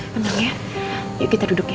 tenang ya yuk kita duduk ya